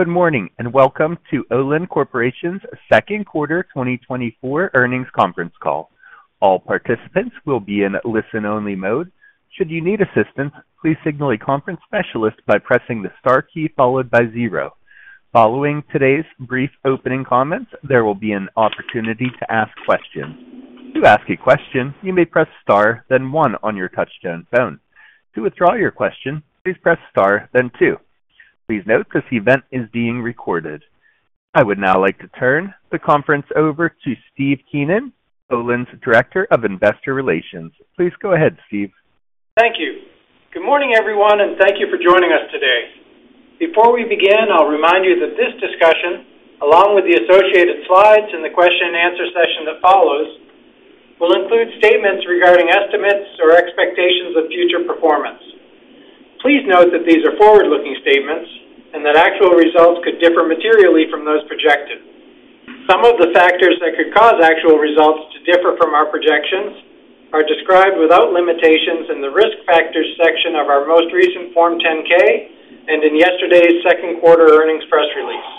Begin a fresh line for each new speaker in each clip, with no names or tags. `Good morning, and welcome to KeyBanc Capital Markets Corporation's Q2 2024 earnings conference call. All participants will be in listen-only mode. Should you need assistance, please signal a conference specialist by pressing the star key followed by zero. Following today's brief opening comments, there will be an opportunity to ask questions. To ask a question, you may press Star, then One on your touchtone phone. To withdraw your question, please press Star, then Two. Please note, this event is being recorded. I would now like to turn the conference over to Steve Keenan, KeyBanc Capital Markets Director of Investor Relations. Please go ahead, Steve.
Thank you. Good morning, everyone, and thank you for joining us today. Before we begin, I'll remind you that this discussion, along with the associated slides and the question-and-answer session that follows, will include statements regarding estimates or expectations of future performance. Please note that these are forward-looking statements and that actual results could differ materially from those projected. Some of the factors that could cause actual results to differ from our projections are described without limitations in the Risk Factors section of our most recent Form 10-K and in yesterday's Q2 earnings press release.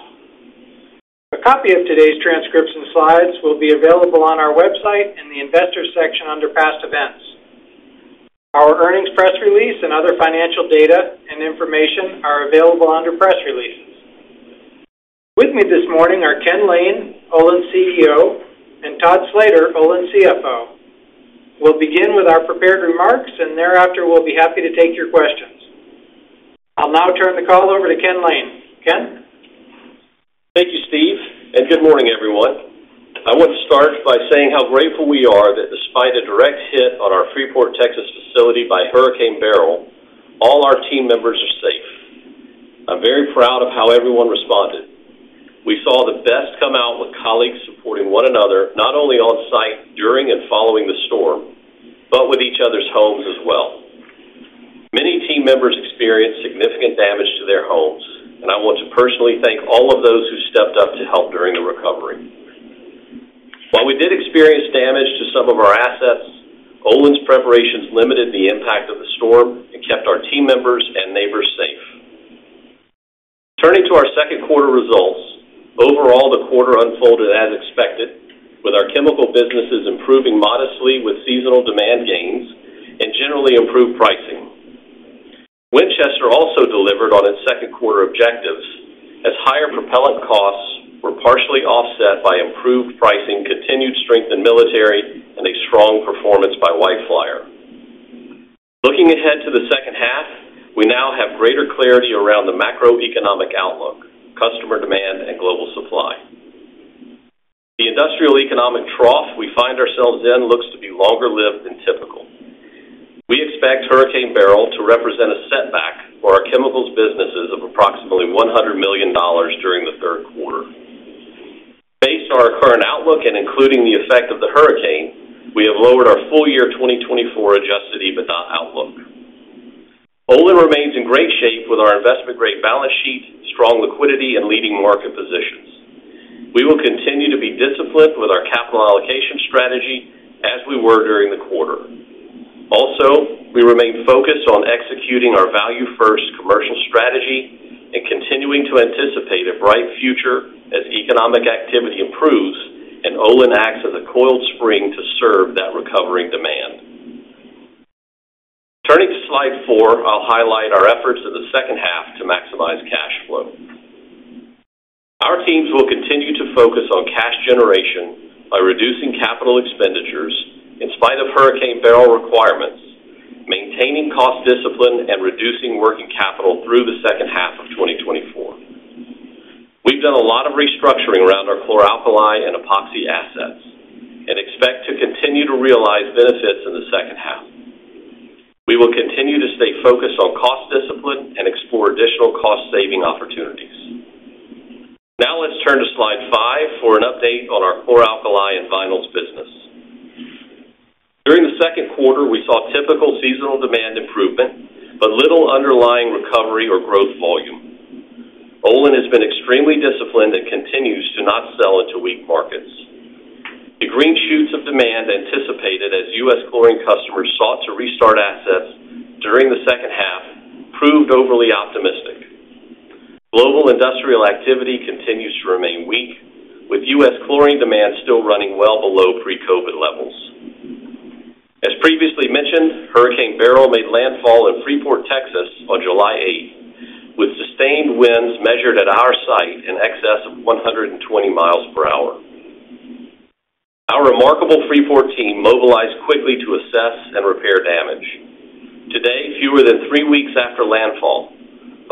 A copy of today's transcripts and slides will be available on our website in the Investors section under Past Events. Our earnings press release and other financial data and information are available under Press Releases. With me this morning are Ken Lane, Olin's CEO, and Todd Slater, Olin's CFO. We'll begin with our prepared remarks, and thereafter, we'll be happy to take your questions. I'll now turn the call over to Ken Lane. Ken?
Thank you, Steve, and good morning, everyone. I want to start by saying how grateful we are that despite a direct hit on our Freeport, Texas, facility by Hurricane Beryl, all our team members are safe. I'm very proud of how everyone responded. We saw the best come out with colleagues supporting one another, not only on-site during and following the storm, but with each other's homes as well. Many team members experienced significant damage to their homes, and I want to personally thank all of those who stepped up to help during the recovery. While we did experience damage to some of our assets, Olin's preparations limited the impact of the storm and kept our team members and neighbors safe. Turning to our Q2 results, overall, the quarter unfolded as expected, with our chemical businesses improving modestly with seasonal demand gains and generally improved pricing. Winchester also delivered on its Q2 objectives, as higher propellant costs were partially offset by improved pricing, continued strength in military, and a strong performance by White Flyer. Looking ahead to the second half, we now have greater clarity around the macroeconomic outlook, customer demand, and global supply. The industrial economic trough we find ourselves in looks to be longer-lived than typical. We expect Hurricane Beryl to represent a setback for our chemicals businesses of approximately $100 million during the Q3. Based on our current outlook and including the effect of the hurricane, we have lowered our full-year 2024 Adjusted EBITDA outlook. Olin remains in great shape with our investment-grade balance sheet, strong liquidity, and leading market positions. We will continue to be disciplined with our capital allocation strategy as we were during the quarter. Also, we remain focused on executing our value-first commercial strategy and continuing to anticipate a bright future as economic activity improves and Olin acts as a coiled spring to serve that recovering demand. Turning to slide 4, I'll highlight our efforts in the second half to maximize cash flow. Our teams will continue to focus on cash generation by reducing capital expenditures in spite of Hurricane Beryl requirements, maintaining cost discipline, and reducing working capital through the second half of 2024. We've done a lot of restructuring around our chloralkali and epoxy assets and expect to continue to realize benefits in the second half. We will continue to stay focused on cost discipline and explore additional cost-saving opportunities. Now, let's turn to slide 5 for an update on our chloralkali and vinyls business. During the Q2, we saw typical seasonal demand improvement, but little underlying recovery or growth volume. Olin has been extremely disciplined and continues to not sell into weak markets. The green shoots of demand anticipated as U.S. chlorine customers sought to restart assets during the second half proved overly optimistic. Global industrial activity continues to remain weak, with U.S. chlorine demand still running well below pre-COVID levels. As previously mentioned, Hurricane Beryl made landfall in Freeport, Texas, on July eighth, with sustained winds measured at our site in excess of 120 miles per hour. Our remarkable Freeport team mobilized quickly to assess and repair damage. Today, fewer than three weeks after landfall,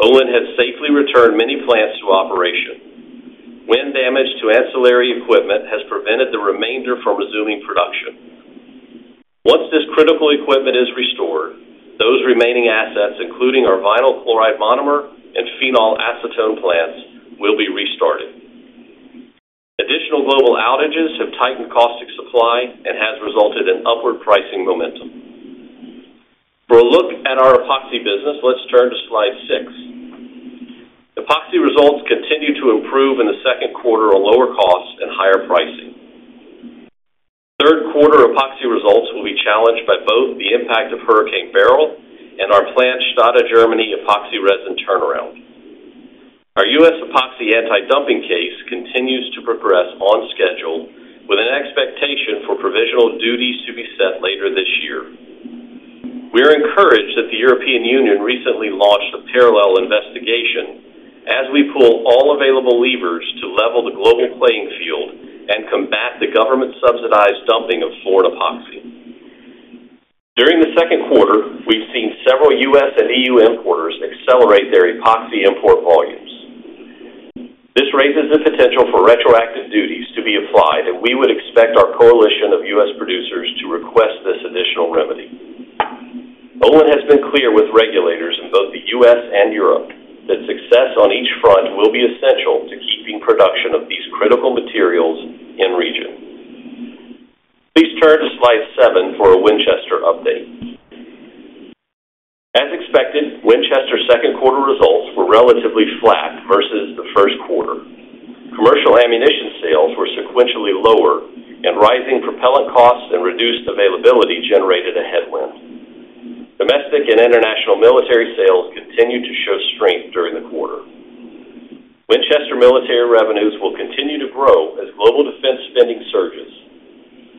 Olin has safely returned many plants to operation. Wind damage to ancillary equipment has prevented the remainder from resuming production. Once this critical equipment is restored, those remaining assets, including our vinyl chloride monomer and phenol acetone plants, will be restarted. Additional global outages have tightened caustic supply and has resulted in upward pricing momentum. For a look at our epoxy business, let's turn to slide 6. Epoxy results continued to improve in the Q2 on lower costs and higher pricing… Q3 epoxy results will be challenged by both the impact of Hurricane Beryl and our planned Stade, Germany, epoxy resin turnaround. Our U.S. epoxy antidumping case continues to progress on schedule, with an expectation for provisional duties to be set later this year. We are encouraged that the European Union recently launched a parallel investigation as we pull all available levers to level the global playing field and combat the government-subsidized dumping of foreign epoxy. During the Q2, we've seen several U.S. and E.U. importers accelerate their epoxy import volumes. This raises the potential for retroactive duties to be applied, and we would expect our coalition of U.S. producers to request this additional remedy. Olin has been clear with regulators in both the U.S. and Europe that success on each front will be essential to keeping production of these critical materials in region. Please turn to slide seven for a Winchester update. As expected, Winchester Q2 results were relatively flat versus the Q1. Commercial ammunition sales were sequentially lower, and rising propellant costs and reduced availability generated a headwind. Domestic and international military sales continued to show strength during the quarter. Winchester military revenues will continue to grow as global defense spending surges.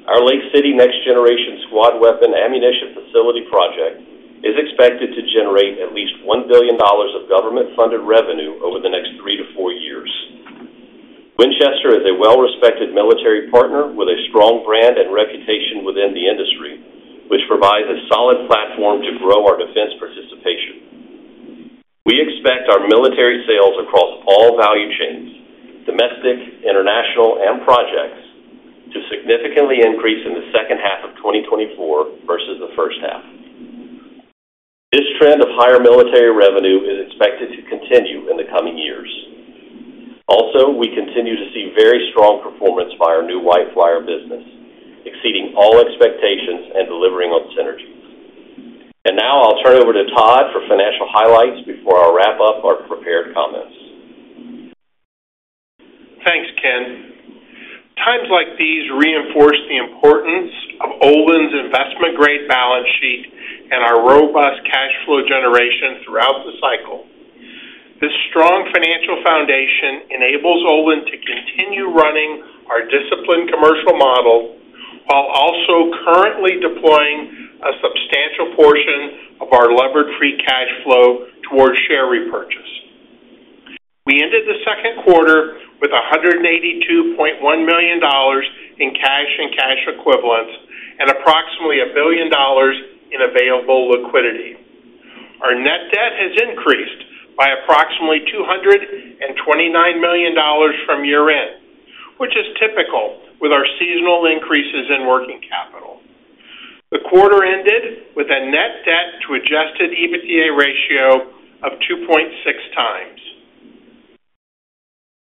Our Lake City Next Generation Squad Weapon Ammunition Facility project is expected to generate at least $1 billion of government-funded revenue over the next 3-4 years. Winchester is a well-respected military partner with a strong brand and reputation within the industry, which provides a solid platform to grow our defense participation. We expect our military sales across all value chains, domestic, international, and projects, to significantly increase in the second half of 2024 versus the first half. This trend of higher military revenue is expected to continue in the coming years. Also, we continue to see very strong performance by our new White Flyer business, exceeding all expectations and delivering on synergies. Now I'll turn it over to Todd for financial highlights before I wrap up our prepared comments.
Thanks, Ken. Times like these reinforce the importance of Olin's investment-grade balance sheet and our robust cash flow generation throughout the cycle. This strong financial foundation enables Olin to continue running our disciplined commercial model, while also currently deploying a substantial portion of our levered free cash flow towards share repurchase. We ended the Q2 with $182.1 million in cash and cash equivalents and approximately $1 billion in available liquidity. Our net debt has increased by approximately $229 million from year-end, which is typical with our seasonal increases in working capital. The quarter ended with a net debt to Adjusted EBITDA ratio of 2.6 times.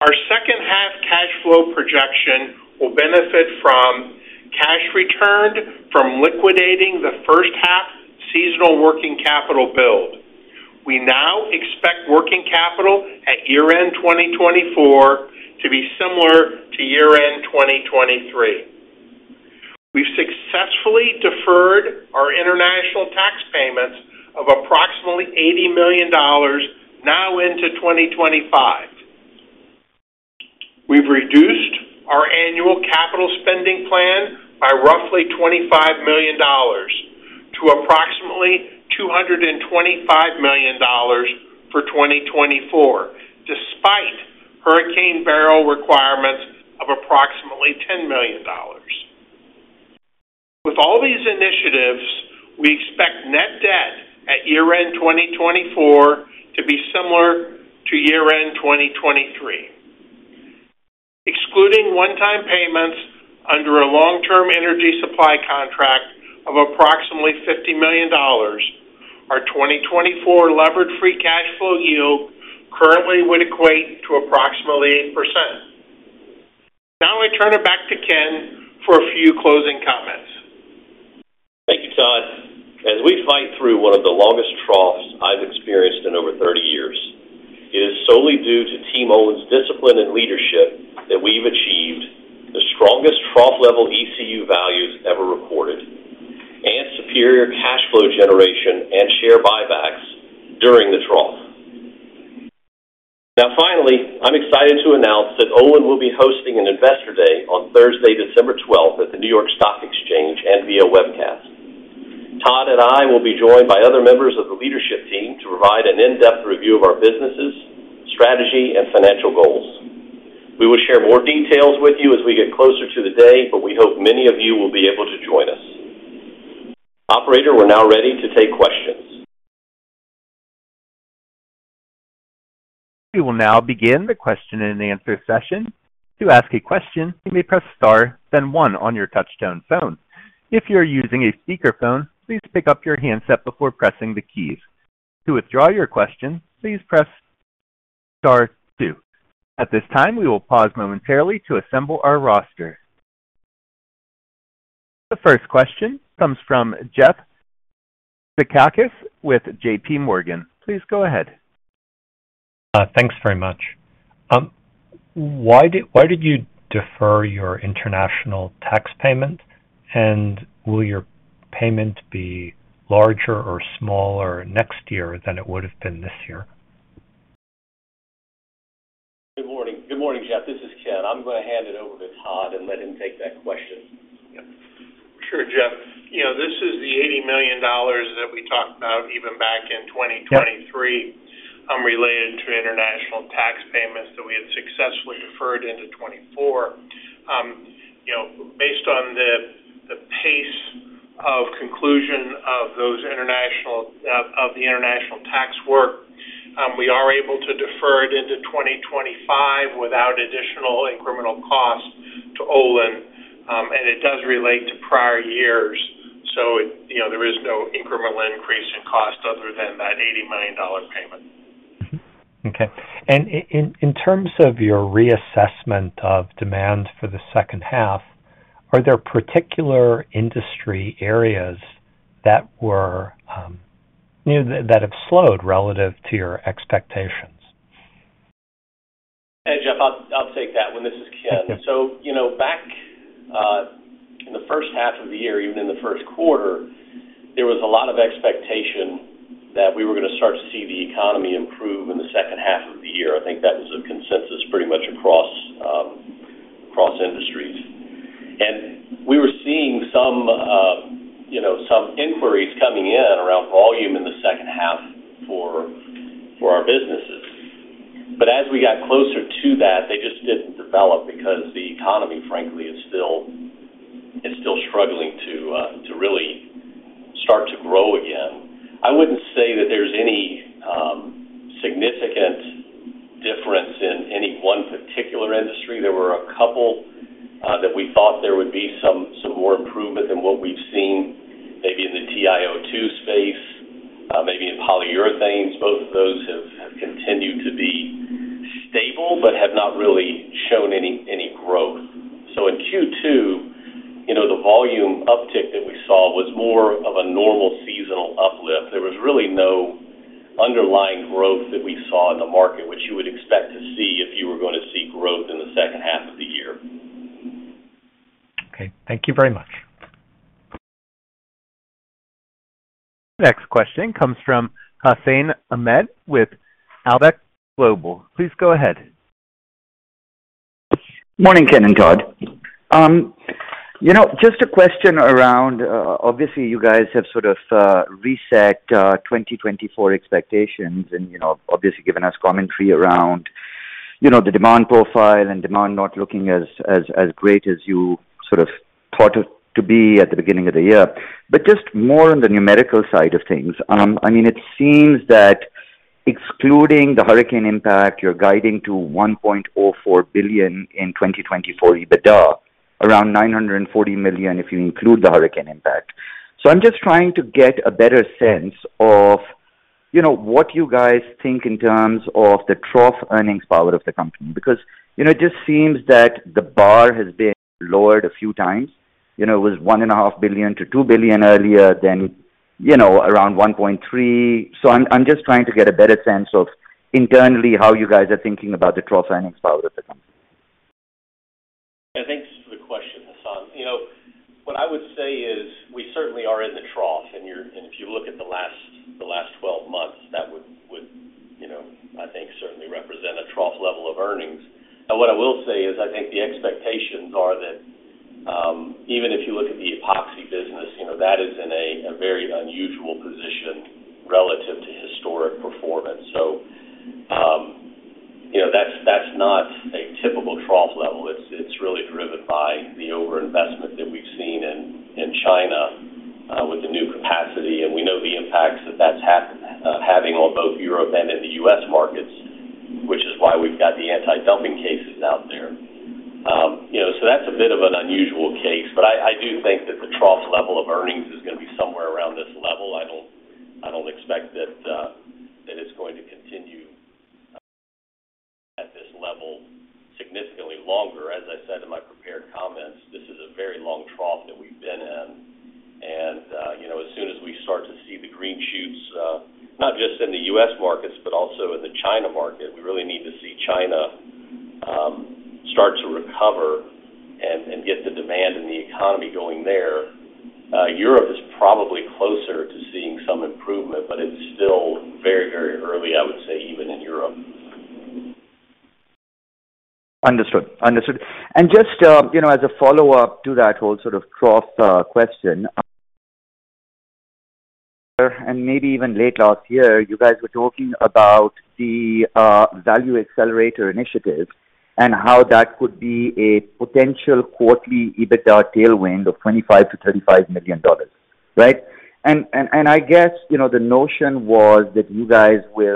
Our second-half cash flow projection will benefit from cash returned from liquidating the first-half seasonal working capital build. We now expect working capital at year-end 2024 to be similar to year-end 2023. We've successfully deferred our international tax payments of approximately $80 million, now into 2025. We've reduced our annual capital spending plan by roughly $25 million to approximately $225 million for 2024, despite Hurricane Beryl requirements of approximately $10 million. With all these initiatives, we expect net debt at year-end 2024 to be similar to year-end 2023. Excluding one-time payments under a long-term energy supply contract of approximately $50 million, our 2024 levered free cash flow yield currently would equate to approximately 8%. Now I turn it back to Ken for a few closing comments.
Thank you, Todd. As we fight through one of the longest troughs I've experienced in over 30 years, it is solely due to Team Olin's discipline and leadership that we've achieved the strongest trough-level ECU values ever recorded, and superior cash flow generation and share buybacks during the trough. Now, finally, I'm excited to announce that Olin will be hosting an Investor Day on Thursday, December twelfth, at the New York Stock Exchange and via webcast. Todd and I will be joined by other members of the leadership team to provide an in-depth review of our businesses, strategy, and financial goals. We will share more details with you as we get closer to the day, but we hope many of you will be able to join us. Operator, we're now ready to take questions.
We will now begin the question-and-answer session. To ask a question, you may press star, then one on your touchtone phone. If you are using a speakerphone, please pick up your handset before pressing the keys. To withdraw your question, please press star two. At this time, we will pause momentarily to assemble our roster. The first question comes from Jeff Zekauskas with J.P. Morgan. Please go ahead....
Thanks very much. Why did you defer your international tax payment? And will your payment be larger or smaller next year than it would have been this year?
Good morning. Good morning, Jeff. This is Ken. I'm gonna hand it over to Todd and let him take that question.
Sure, Jeff. You know, this is the $80 million that we talked about even back in 2023.
Yep.
related to international tax payments that we had successfully deferred into 2024. You know, based on the pace of conclusion of those international tax work, we are able to defer it into 2025 without additional incremental cost to Olin, and it does relate to prior years. So it, you know, there is no incremental increase in cost other than that $80 million payment.
Okay. And in terms of your reassessment of demand for the second half, are there particular industry areas that were, you know, that have slowed relative to your expectations?
Hey, Jeff, I'll take that one. This is Ken.
Okay.
You know, back in the first half of the year, even in the Q1, there was a lot of expectation that we were gonna start to see the economy improve in the second half of the year. I think that was a consensus pretty much across industries. We were seeing some, you know, some inquiries coming in around volume in the second half for our businesses. But as we got closer to that, they just didn't develop because the economy, frankly, is still, it's still struggling to really start to grow again. I wouldn't say that there's any significant difference in any one particular industry. There were a couple that we thought there would be some more improvement than what we've seen, maybe in the TiO2 space, maybe in polyurethanes. Both of those have continued to be stable, but have not really shown any growth. So in Q2, you know, the volume uptick that we saw was more of a normal seasonal uplift. There was really no underlying growth that we saw in the market, which you would expect to see if you were gonna see growth in the second half of the year.
Okay, thank you very much.
Next question comes from Hassan Ahmed with Alembic Global. Please go ahead.
Morning, Ken and Todd. You know, just a question around... Obviously, you guys have sort of reset 2024 expectations and, you know, obviously given us commentary around, you know, the demand profile and demand not looking as great as you sort of thought it to be at the beginning of the year. But just more on the numerical side of things. Yep. I mean, it seems that excluding the hurricane impact, you're guiding to $1.04 billion in 2024 EBITDA, around $940 million if you include the hurricane impact. So I'm just trying to get a better sense of, you know, what you guys think in terms of the trough earnings power of the company. Because, you know, it just seems that the bar has been lowered a few times. You know, it was $1.5 billion-$2 billion earlier, then, you know, around $1.3 billion. So I'm, I'm just trying to get a better sense of internally, how you guys are thinking about the trough earnings power of the company.
I think the question, Hassan. You know, what I would say is we certainly are in the trough, and if you look at the last 12 months, that would, you know, I think, certainly represent a trough level of earnings. But what I will say is, I think the expectations are that even if you look at the epoxy business, you know, that is in a very unusual position relative to historic performance. So, you know, that's not a typical trough level. It's really driven by the overinvestment that we've seen in China with the new capacity, and we know the impacts that that's having on both Europe and in the U.S. markets, which is why we've got the anti-dumping cases out there. You know, so that's a bit of an unusual case, but I, I do think that the trough level of earnings is gonna be somewhere around this level. I don't, I don't expect that that it's going to continue at this level significantly longer. As I said in my prepared comments, this is a very long trough that we've been in, and, you know, as soon as we start to see the green shoots, not just in the U.S. markets, but also in the China market, we really need to see China start to recover and, and get the demand and the economy going there. Europe is probably closer to seeing some improvement, but it's still very, very early, I would say, even in Europe.
Understood. Understood. And just, you know, as a follow-up to that whole sort of trough question, and maybe even late last year, you guys were talking about the Value Accelerator Initiative and how that could be a potential quarterly EBITDA tailwind of $25 million-$35 million, right? And, and, and I guess, you know, the notion was that you guys were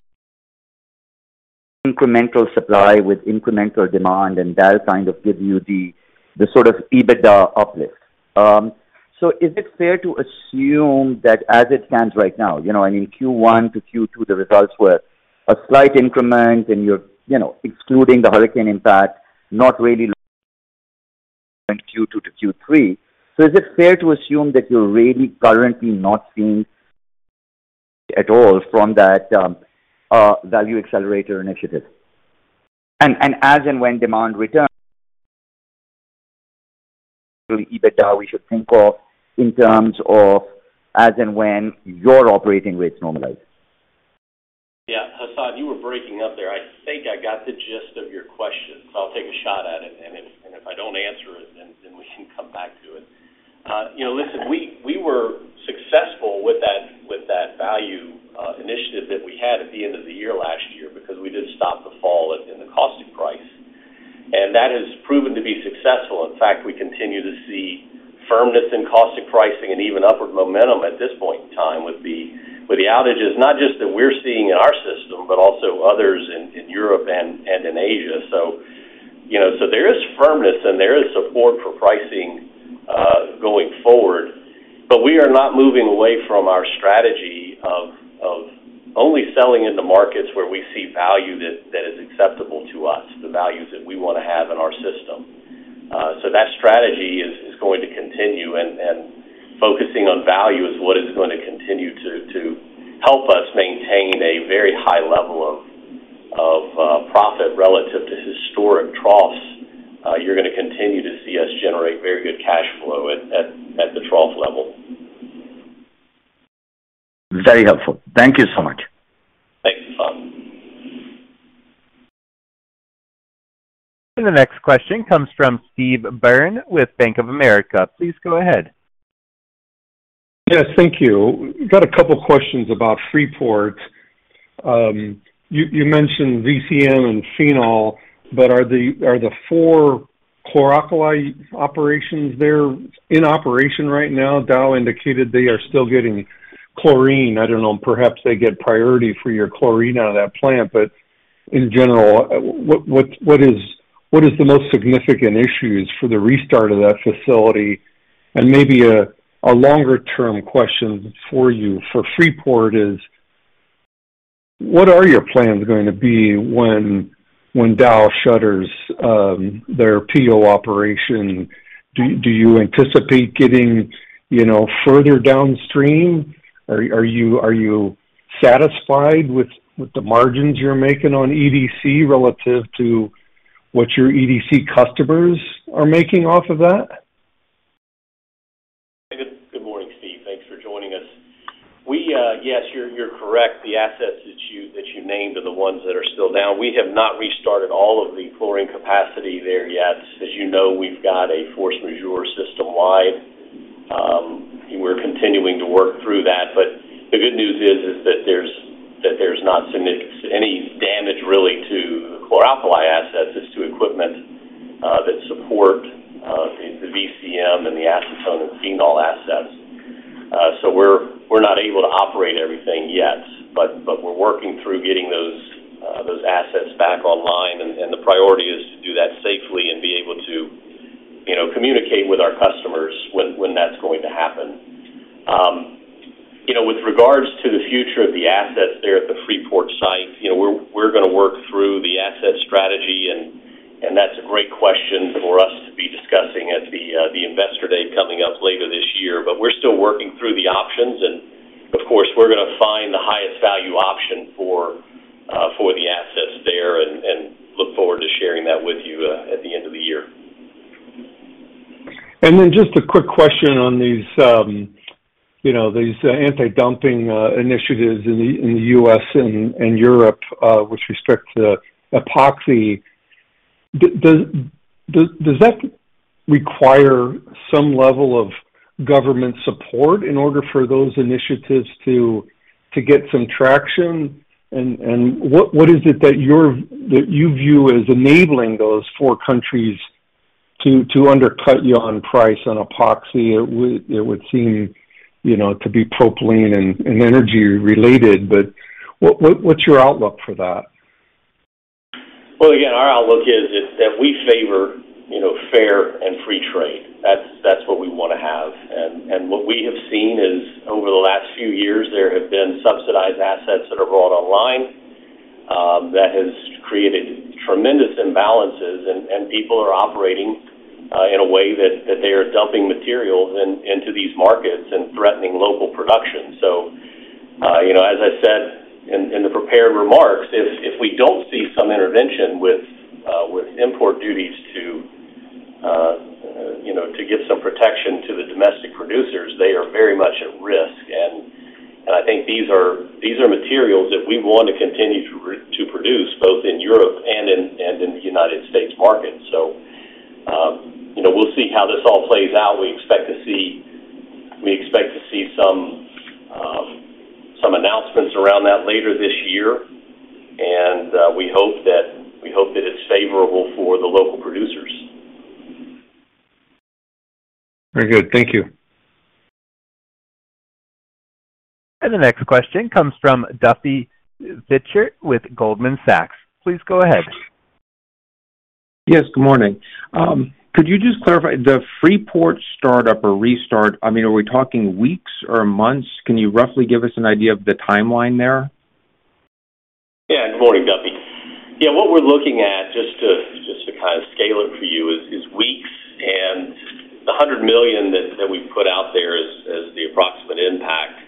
incremental supply with incremental demand, and that'll kind of give you the sort of EBITDA uplift. So is it fair to assume that as it stands right now, you know, I mean, Q1 to Q2, the results were a slight increment and you're, you know, excluding the hurricane impact, not really from Q2 to Q3. So is it fair to assume that you're really currently not seeing at all from that Value Accelerator Initiative? As and when demand returns, EBITDA we should think of in terms of as and when your operating rates normalize.
Yeah, Hassan, you were breaking up there. I think I got the gist of your question, so I'll take a shot at it, and if I don't answer it, then we can come back to it. You know, listen, we were successful with that value initiative that we had at the end of the year last year because we did stop the fall in the caustic price. And that has proven to be successful. In fact, we continue to see firmness in caustic pricing and even upward momentum at this point in time with the outages, not just that we're seeing in our system, but also others in Europe and in Asia. So, you know, so there is firmness and there is support for pricing going forward. But we are not moving away from our strategy of only selling in the markets where we see value that is acceptable to us, the values that we wanna have in our system. So that strategy is going to continue, and focusing on value is what is going to continue to help us maintain a very high level of profit relative to historic troughs. You're gonna continue to see us generate very good cash flow at the trough level.
Very helpful. Thank you so much.
Thanks, Hassan.
The next question comes from Steve Byrne with Bank of America. Please go ahead.
Yes, thank you. Got a couple questions about Freeport. You mentioned VCM and phenol, but are the four chloralkali operations there in operation right now? Dow indicated they are still getting chlorine. I don't know, perhaps they get priority for your chlorine out of that plant. But in general, what is the most significant issues for the restart of that facility? And maybe a longer-term question for you, for Freeport is: What are your plans going to be when Dow shutters their PO operation? Do you anticipate getting, you know, further downstream? Are you satisfied with the margins you're making on EDC relative to what your EDC customers are making off of that?
Good morning, Steve. Thanks for joining us. Yes, you're correct. The assets that you named are the ones that are still down. We have not restarted all of the chlorine capacity there yet. As you know, we've got a force majeure system-wide. We're continuing to work through that. But the good news is that there's not significant. Any damage really to the chloralkali assets is to equipment that support the VCM and the acetone and phenol assets. So we're not able to operate everything yet, but we're working through getting those assets back online. And the priority is to do that safely and be able to, you know, communicate with our customers when that's going to happen. You know, with regards to the future of the assets there at the Freeport site, you know, we're gonna work through the asset strategy, and that's a great question for us to be discussing at the Investor Day coming up later this year. But we're still working through the options and, of course, we're gonna find the highest value option for the assets there, and look forward to sharing that with you at the end of the year.
And then just a quick question on these, you know, these anti-dumping initiatives in the U.S. and Europe with respect to epoxy. Does that require some level of government support in order for those initiatives to get some traction? And what is it that you view as enabling those four countries to undercut you on price on epoxy? It would seem, you know, to be propylene and energy related, but what's your outlook for that?
Well, again, our outlook is that we favor, you know, fair and free trade. That's what we wanna have. And what we have seen is, over the last few years, there have been subsidized assets that are brought online that has created tremendous imbalances. And people are operating in a way that they are dumping materials into these markets and threatening local production. So, you know, as I said in the prepared remarks, if we don't see some intervention with import duties to, you know, to give some protection to the domestic producers, they are very much at risk. And I think these are materials that we want to continue to produce, both in Europe and in the United States market. So, you know, we'll see how this all plays out. We expect to see, we expect to see some, some announcements around that later this year. And, we hope that, we hope that it's favorable for the local producers.
Very good. Thank you.
The next question comes from Duffy Fischer with Goldman Sachs. Please go ahead.
Yes, good morning. Could you just clarify, the Freeport startup or restart, I mean, are we talking weeks or months? Can you roughly give us an idea of the timeline there?...
Yeah, good morning, Duffy. Yeah, what we're looking at, just to kind of scale it for you, is weeks, and the $100 million that we put out there as the approximate impact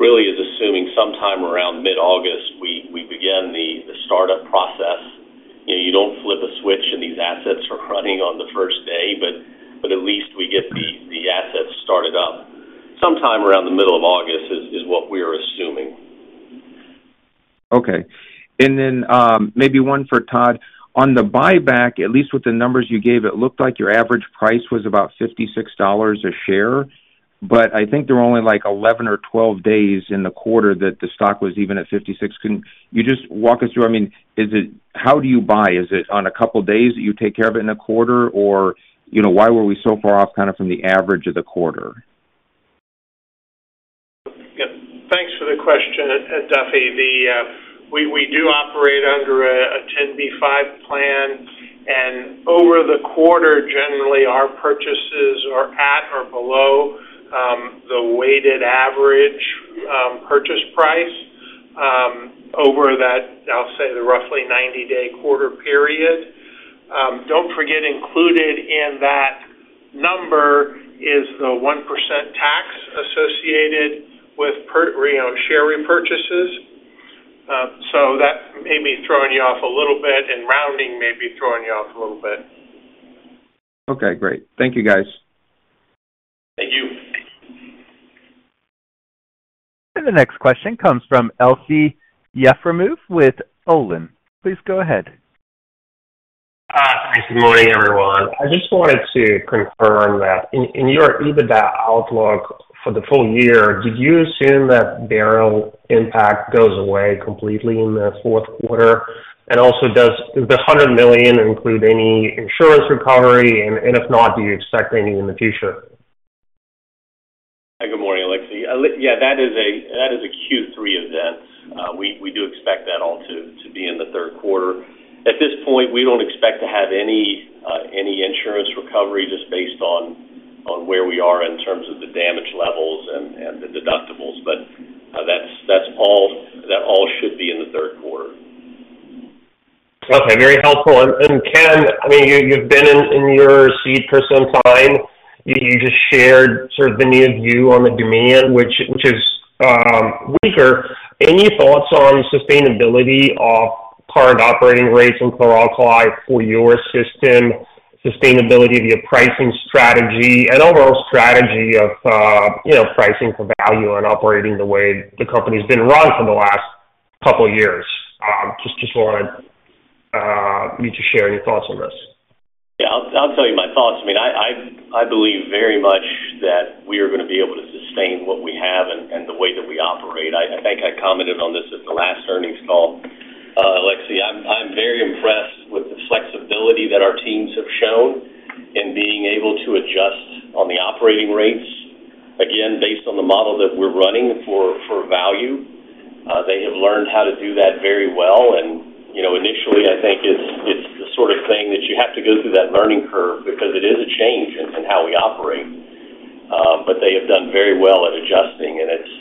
really is assuming sometime around mid-August, we begin the startup process. You know, you don't flip a switch, and these assets are running on the first day, but at least we get the assets started up. Sometime around the middle of August is what we are assuming.
Okay. And then, maybe one for Todd. On the buyback, at least with the numbers you gave, it looked like your average price was about $56 a share. But I think there were only like 11 or 12 days in the quarter that the stock was even at $56. Can you just walk us through? I mean, is it—how do you buy? Is it on a couple days that you take care of it in a quarter, or, you know, why were we so far off kinda from the average of the quarter?
Yeah. Thanks for the question, Duffy. We do operate under a 10b-5 plan, and over the quarter, generally, our purchases are at or below the weighted average purchase price over that, I'll say the roughly 90-day quarter period. Don't forget, included in that number is the 1% tax associated with per, you know, share repurchases. So that may be throwing you off a little bit, and rounding may be throwing you off a little bit.
Okay, great. Thank you, guys.
Thank you.
The next question comes from Aleksey Yefremov with Olin. Please go ahead. Thanks. Good morning, everyone. I just wanted to confirm that in your EBITDA outlook for the full year, did you assume that Beryl impact goes away completely in the Q4? And also, does the $100 million include any insurance recovery? And if not, do you expect any in the future?
Hi, good morning, Aleksey. Yeah, that is a Q3 event. We do expect that all to be in the Q3. At this point, we don't expect to have any insurance recovery just based on where we are in terms of the damage levels and the deductibles. But, that's all. That all should be in the Q3.
Okay, very helpful. And Ken, I mean, you've been in your seat for some time. You just shared sort of the new view on the demand, which is weaker. Any thoughts on sustainability of current operating rates and chloralkali for your system, sustainability of your pricing strategy and overall strategy of, you know, pricing for value and operating the way the company's been run for the last couple years? Just wanted you to share your thoughts on this.
Yeah, I'll tell you my thoughts. I mean, I believe very much that we are gonna be able to sustain what we have and the way that we operate. I think I commented on this at the last earnings call. Aleksey, I'm very impressed with the flexibility that our teams have shown in being able to adjust on the operating rates. Again, based on the model that we're running for value, they have learned how to do that very well. And, you know, initially, I think it's the sort of thing that you have to go through that learning curve because it is a change in how we operate. But they have done very well at adjusting, and it's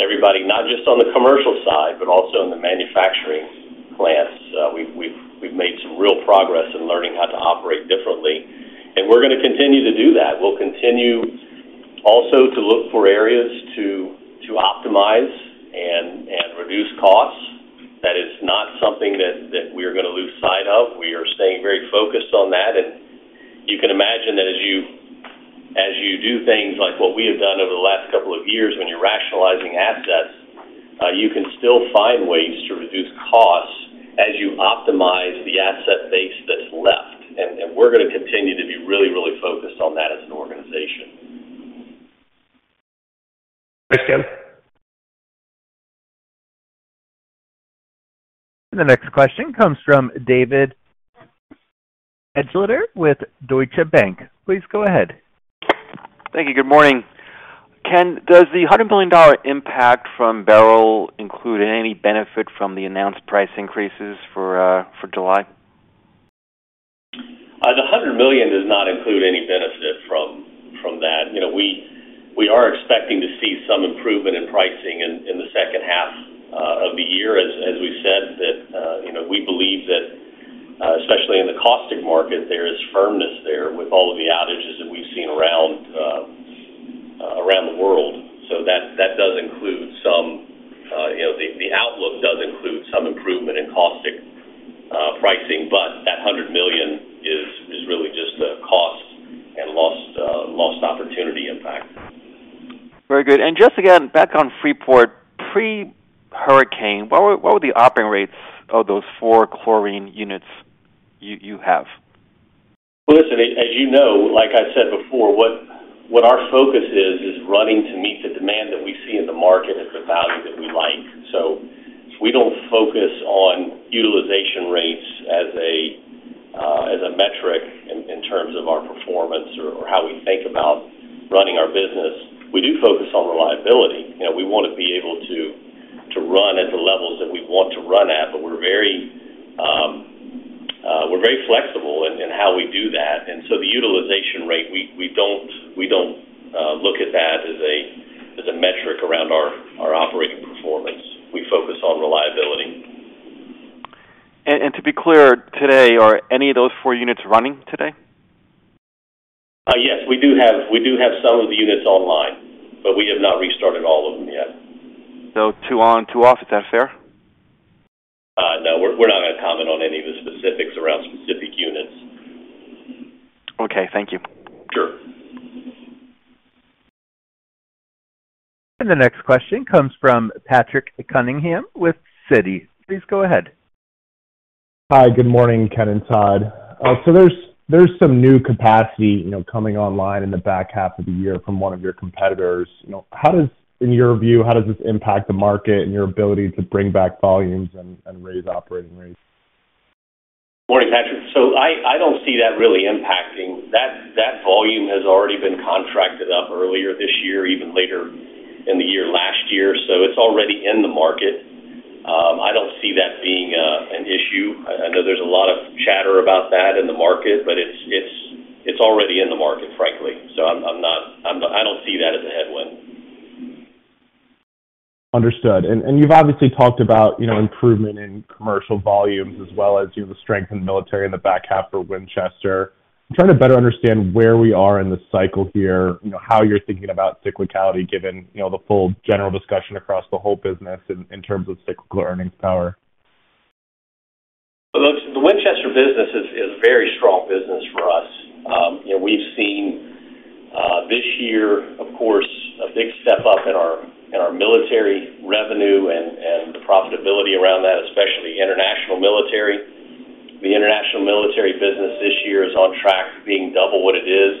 everybody, not just on the commercial side, but also in the manufacturing plants. We've made some real progress in learning how to operate differently, and we're gonna continue to do that. We'll continue also to look for areas to optimize and reduce costs. That is not something that we are gonna lose sight of. We are staying very focused on that, and you can imagine that as you do things like what we have done over the last couple of years, when you're rationalizing assets, you can still find ways to reduce costs as you optimize the asset base that's left. And we're gonna continue to be really, really focused on that as an organization.
Thanks, Ken.
The next question comes from David Begleiter with Deutsche Bank. Please go ahead.
Thank you. Good morning. Ken, does the $100 million impact from Beryl include any benefit from the announced price increases for July?
The $100 million does not include any benefit from that. You know, we are expecting to see some improvement in pricing in the second half of the year, as we've said, you know, we believe that especially in the caustic market, there is firmness there with all of the outages that we've seen around the world. So that does include some, you know, the outlook does include some improvement in caustic pricing, but that $100 million is really just a cost and lost opportunity impact.
Very good. And just again, back on Freeport, pre-hurricane, what were the operating rates of those four chlorine units you have?
Well, listen, as you know, like I said before, what our focus is, is running to meet the demand that we see in the market at the value that we like. So we don't focus on utilization rates as a metric in terms of our performance or how we think about running our business. We do focus on reliability, you know, we want to be able to run at the levels that we want to run at. So the utilization rate, we don't look at that as a metric around our operating performance. We focus on reliability.
And to be clear, today, are any of those 4 units running today?
Yes, we do have some of the units online, but we have not restarted all of them yet.
2 on, 2 off, is that fair?
No, we're, we're not gonna comment on any of the specifics around specific units.
Okay, thank you.
Sure.
The next question comes from Patrick Cunningham with Citi. Please go ahead.
Hi, good morning, Ken and Todd. So there's some new capacity, you know, coming online in the back half of the year from one of your competitors. You know, how does, in your view, how does this impact the market and your ability to bring back volumes and raise operating rates?
Morning, Patrick. So I don't see that really impacting. That volume has already been contracted up earlier this year, even later in the year, last year, so it's already in the market. I don't see that being an issue. I know there's a lot of chatter about that in the market, but it's already in the market, frankly. So I'm not-- I'm not-- I don't see that as a headwind.
Understood. And you've obviously talked about, you know, improvement in commercial volumes, as well as, you know, the strength in military in the back half for Winchester. I'm trying to better understand where we are in the cycle here, you know, how you're thinking about cyclicality, given, you know, the full general discussion across the whole business in terms of cyclical earnings power.
Look, the Winchester business is a very strong business for us. You know, we've seen this year, of course, a big step up in our military revenue and the profitability around that, especially international military. The international military business this year is on track for being double what it is.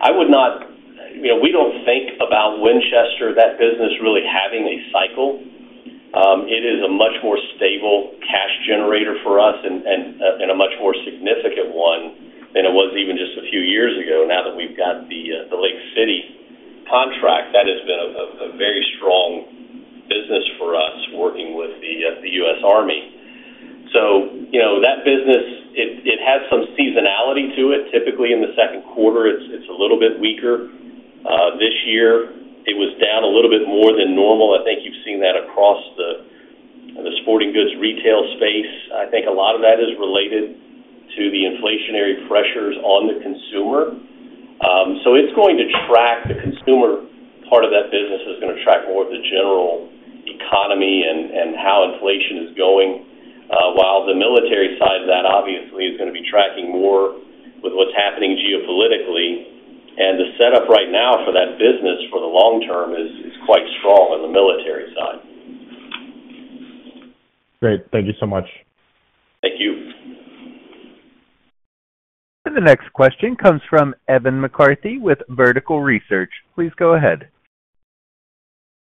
I would not... You know, we don't think about Winchester, that business really having a cycle. It is a much more stable cash generator for us and a much more significant one than it was even just a few years ago, now that we've got the Lake City contract. That has been a very strong business for us, working with the U.S. Army. So, you know, that business, it has some seasonality to it. Typically, in the Q2, it's a little bit weaker. This year, it was down a little bit more than normal. I think you've seen that across the sporting goods retail space. I think a lot of that is related to the inflationary pressures on the consumer. So it's going to track the consumer. Part of that business is gonna track more of the general economy and how inflation is going, while the military side of that, obviously, is gonna be tracking more with what's happening geopolitically. And the setup right now for that business for the long term is quite strong on the military side.
Great. Thank you so much.
Thank you.
The next question comes from Kevin McCarthy with Vertical Research. Please go ahead.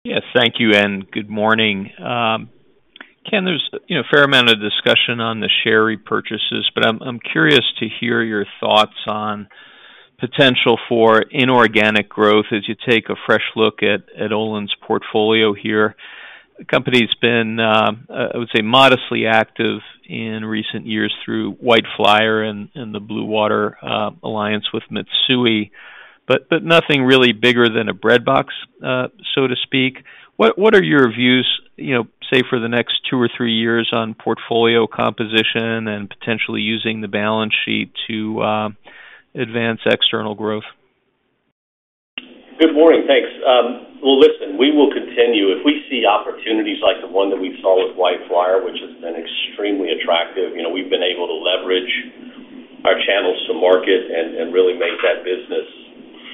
Yes, thank you, and good morning. Ken, there's, you know, a fair amount of discussion on the share repurchases, but I'm curious to hear your thoughts on potential for inorganic growth as you take a fresh look at Olin's portfolio here. The company's been, I would say, modestly active in recent years through White Flyer and the Blue Water Alliance with Mitsui, but nothing really bigger than a breadbox, so to speak. What are your views, you know, say, for the next two or three years on portfolio composition and potentially using the balance sheet to advance external growth?
Good morning. Thanks. Well, listen, we will continue. If we see opportunities like the one that we saw with White Flyer, which has been extremely attractive, you know, we've been able to leverage our channels to market and really make that business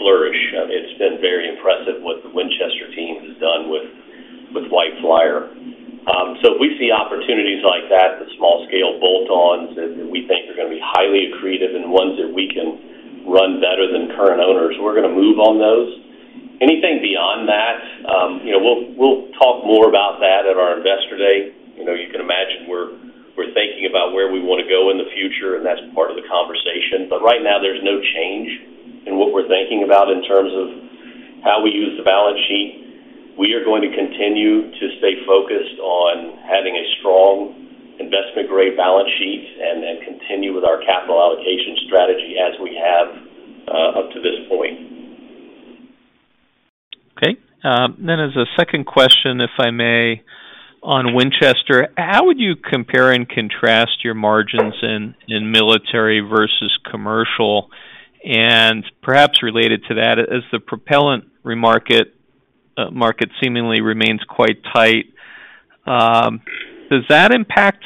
flourish. I mean, it's been very impressive what the Winchester team has done with White Flyer. So if we see opportunities like that, the small scale bolt-ons that we think are gonna be highly accretive and ones that we can run better than current owners, we're gonna move on those. Anything beyond that, you know, we'll talk more about that at our Investor Day. You know, you can imagine we're, we're thinking about where we wanna go in the future, and that's part of the conversation, but right now there's no change in what we're thinking about in terms of how we use the balance sheet. We are going to continue to stay focused on having a strong investment-grade balance sheet, and then continue with our capital allocation strategy as we have up to this point.
Okay. Then as a second question, if I may, on Winchester: How would you compare and contrast your margins in military versus commercial? And perhaps related to that, as the propellant raw material market seemingly remains quite tight, does that impact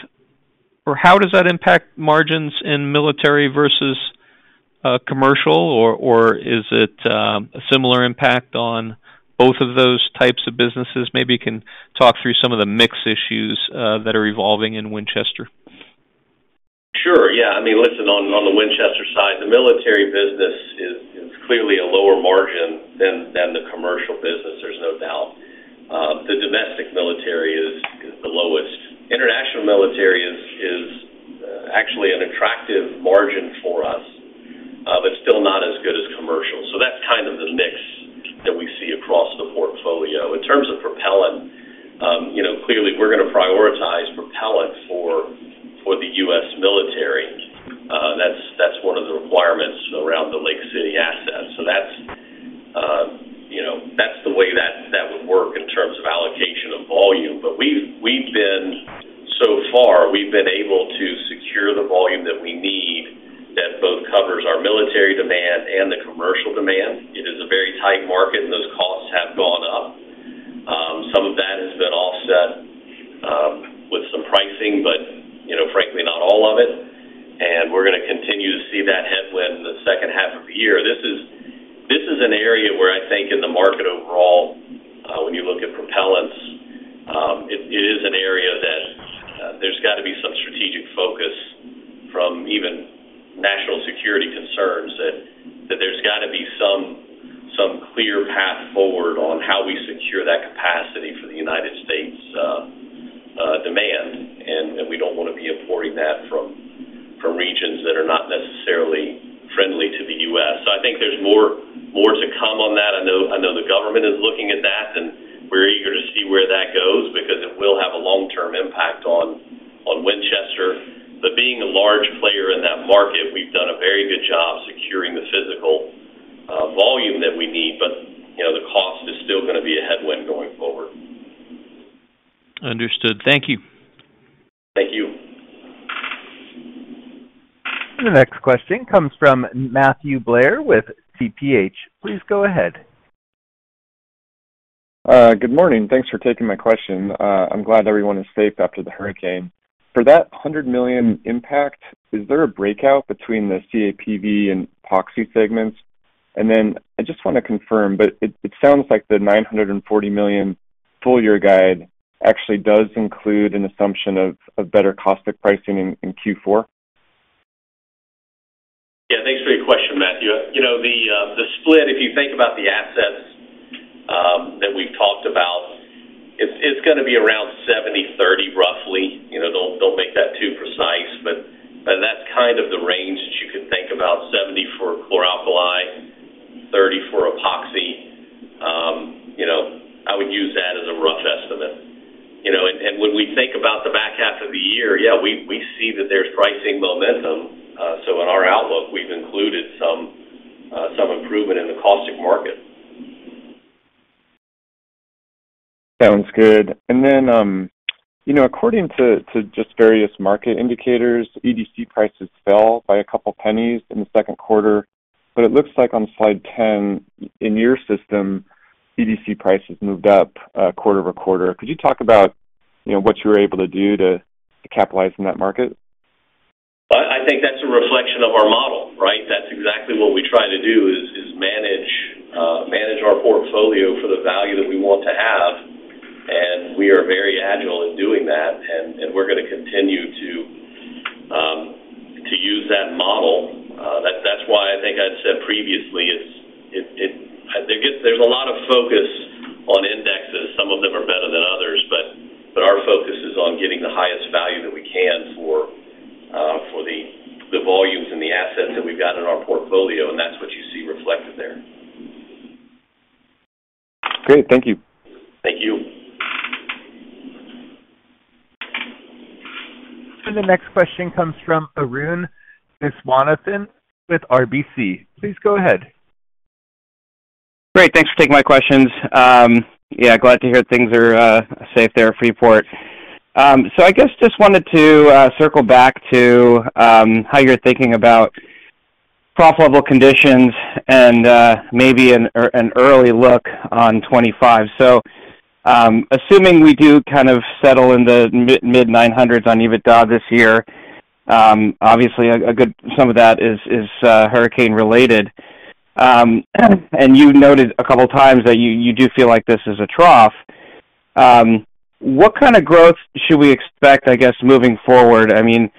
or how does that impact margins in military versus commercial, or is it a similar impact on both of those types of businesses? Maybe you can talk through some of the mix issues that are evolving in Winchester.
Sure. Yeah. I mean, listen, on the Winchester side, the military business is clearly a lower margin than the commercial business. There's no doubt. The domestic military is the lowest. International military is actually an attractive margin for us, but still not as good as commercial. For the U.S. military, that's one of the requirements around the Lake City asset. So that's, you know, that's the way that would work in terms of allocation of volume. But so far, we've been able to secure the volume that we need that both covers our military demand and the commercial demand. It is a very tight market, and those costs have gone up. Some of that has been offset with some pricing, but, you know, frankly, not all of it, and we're gonna continue to see
actually does include an assumption of better caustic pricing in Q4.
Yeah, thanks for your question, Matthew. You know, the split, if you think about the assets, that we've talked about, it's gonna be around 70-30, roughly. You know, don't make that too precise, but that's kind of the range that you can think about, 70 for chloralkali, 30 for epoxy. You know, I would use that as a rough estimate. You know, and when we think about the back half of the year, yeah, we see that there's pricing momentum. So in our outlook, we've included some improvement in the caustic market.
Sounds good. Then, you know, according to just various market indicators, EDC prices fell by a couple pennies in the Q2, but it looks like on slide 10, in your system, EDC prices moved up quarter-over-quarter. Could you talk about, you know, what you were able to do to capitalize in that market?
I think that's a reflection of our model, right? That's exactly what we try to do, is manage our portfolio for the value that we want to have, and we are very agile in doing that, and we're gonna continue to use that model. That's why I think I've said previously, it's. There's a lot of focus on indexes. Some of them are better than others, but our focus is on getting the highest value that we can for the volumes and the assets that we've got in our portfolio, and that's what you see reflected there.
Great. Thank you.
Thank you.
The next question comes from Arun Viswanathan with RBC. Please go ahead.
Great, thanks for taking my questions. Yeah, glad to hear things are safe there at Freeport. So I guess just wanted to circle back to how you're thinking about profitable conditions and maybe an early look on 2025. So, assuming we do kind of settle in the mid-900s on EBITDA this year, obviously a good some of that is hurricane related. And you noted a couple of times that you do feel like this is a trough. What kind of growth should we expect, I guess, moving forward? I mean,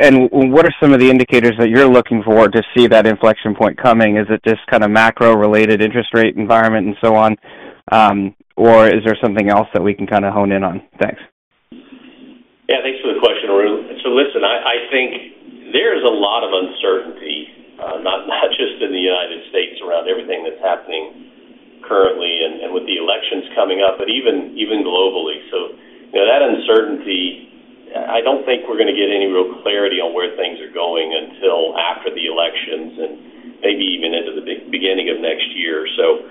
and what are some of the indicators that you're looking for to see that inflection point coming? Is it just kind of macro-reated interest rate environment and so on, or is there something else that we can kind of hone in on? Thanks.
Yeah, thanks for the question, Arun. So listen, I, I think there's a lot of uncertainty, not, not just in the United States, around everything that's happening currently and, and with the elections coming up, but even, even globally. So, you know, that uncertainty, I don't think we're gonna get any real clarity on where things are going until after the elections and maybe even into the beginning of next year. So,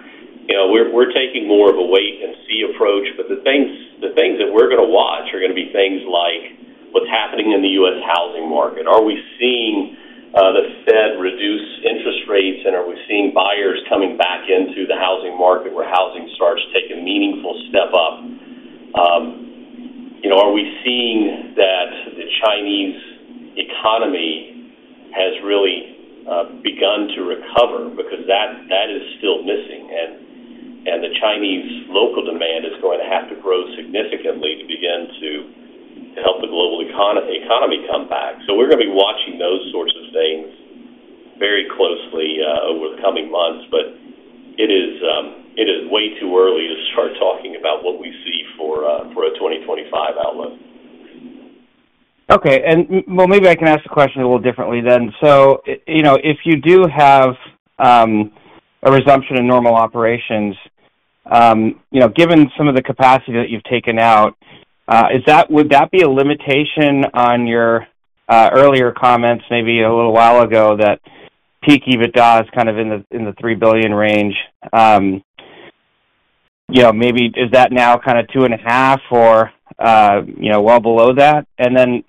you know, we're, we're taking more of a wait and see approach, but the things, the things that we're gonna watch are gonna be things like what's happening in the U.S. housing market. Are we seeing the Fed reduce interest rates, and are we seeing buyers coming back into the housing market where housing starts to take a meaningful step up? You know, are we seeing that the Chinese economy has really begun to recover? Because that is still missing, and the Chinese local demand is going to have to grow significantly to begin to help the global economy come back. So we're gonna be watching those sorts of things very closely over the coming months, but it is way too early to start talking about what we see for a 2025 outlook.
Okay, well, maybe I can ask the question a little differently then. So, you know, if you do have a resumption in normal operations, you know, given some of the capacity that you've taken out, would that be a limitation on your earlier comments maybe a little while ago, that peak EBITDA is kind of in the $3 billion range? You know, maybe is that now kind of $2.5 billion or, you know, well below that? And then,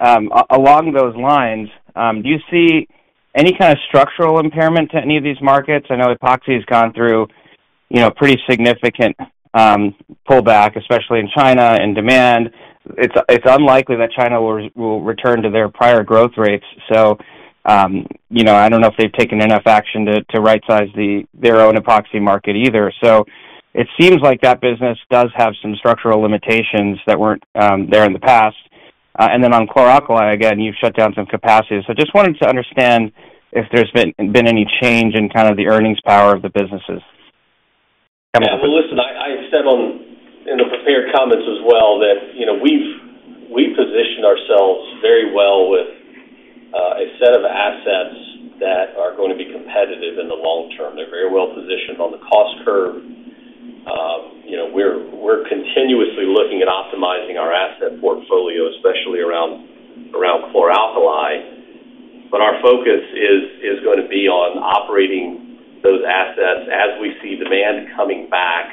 along those lines, do you see any kind of structural impairment to any of these markets? I know Epoxy has gone through, you know, pretty significant pullback, especially in China, and demand. It's unlikely that China will return to their prior growth rates, so, you know, I don't know if they've taken enough action to rightsize their own epoxy market either. So it seems like that business does have some structural limitations that weren't there in the past. And then on chloralkali, again, you've shut down some capacity. So just wanted to understand if there's been any change in kind of the earnings power of the businesses.
Yeah. Well, listen, I, I said on, in the prepared comments as well, that, you know, we've, we've positioned ourselves very well with a set of assets that are going to be competitive in the long term. They're very well positioned on the cost curve. You know, we're, we're continuously looking at optimizing our asset portfolio, especially around, around chloralkali, but our focus is, is going to be on operating those assets. As we see demand coming back,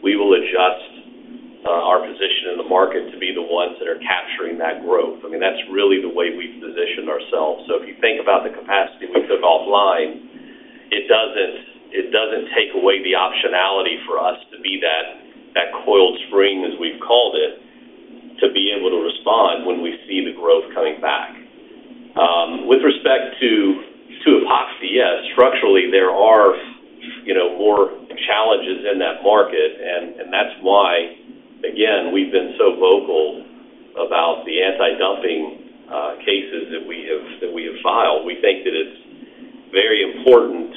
we will adjust our position in the market to be the ones that are capturing that growth. I mean, that's really the way we've positioned ourselves. So if you think about the capacity we took offline, it doesn't, it doesn't take away the optionality for us to be that, that coiled spring, as we've called it, to be able to respond when we see the growth coming back. With respect to Epoxy, yes, structurally there are, you know, more challenges in that market, and that's why, again, we've been so vocal about the antidumping cases that we have filed. We think that it's very important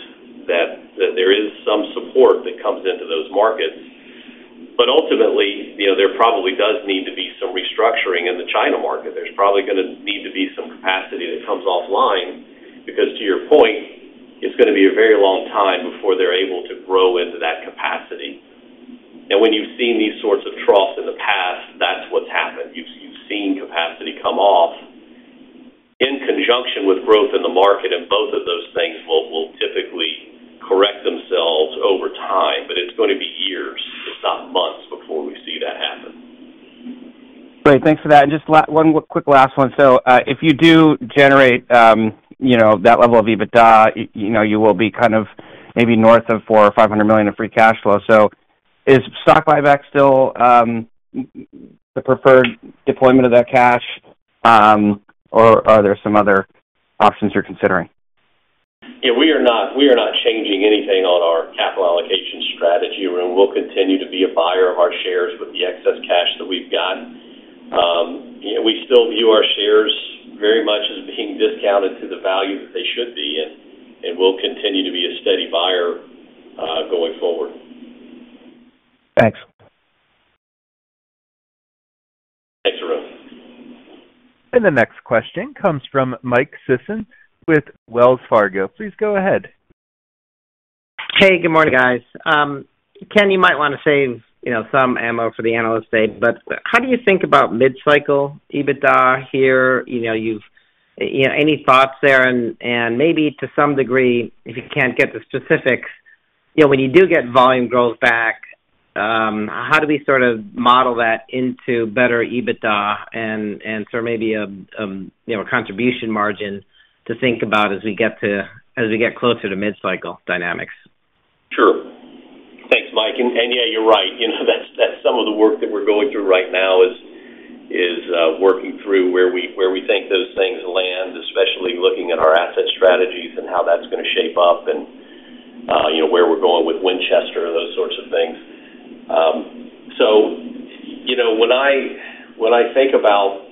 that there is some support that comes into those markets. But ultimately, you know, there probably does need to be some restructuring in the China market. There's probably gonna need to be some capacity that comes offline, because to your point, it's gonna be a very long time before they're able to grow into that capacity. And when you've seen these sorts of troughs in the past, that's what's happened. You've seen capacity come off in conjunction with growth in the market, and both of those things will typically correct themselves over time, but it's going to be years, if not months, before we see that happen.
Great. Thanks for that. Just one quick last one. So, if you do generate, you know, that level of EBITDA, you know, you will be kind of maybe north of $400 or $500 million of free cash flow. So is stock buyback still the preferred deployment of that cash, or are there some other options you're considering?
Yeah, we are not, we are not changing anything on our capital allocation strategy, and we'll continue to be a buyer of our shares with the excess cash that we've got. You know, we still view our shares very much as being discounted to the value that they should be, and, and we'll continue to be a steady buyer going forward.
Thanks.
Thanks, Arun.
And the next question comes from Mike Sisson with Wells Fargo. Please go ahead.
Hey, good morning, guys. Ken, you might wanna save, you know, some ammo for the analyst day, but how do you think about mid-cycle EBITDA here? You know, you know, any thoughts there, and, and maybe to some degree, if you can't get the specifics, you know, when you do get volume growth back, how do we sort of model that into better EBITDA and, and so maybe a, you know, a contribution margin to think about as we get closer to mid-cycle dynamics?
Sure. Thanks, Mike. And yeah, you're right. You know, that's some of the work that we're going through right now is working through where we think those things land, especially looking at our asset strategies and how that's gonna shape up and, you know, where we're going with Winchester, those sorts of things. So, you know, when I think about